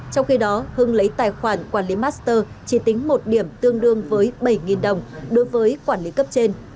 trong khi đó hưng lấy tài khoản quản lý master chỉ tính một điểm tương đương với bảy đồng đối với quản lý cấp trên